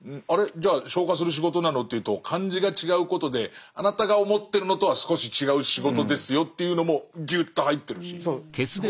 じゃあ「消火」する仕事なの？というと漢字が違うことであなたが思ってるのとは少し違う仕事ですよっていうのもギュッと入ってるし魅力的。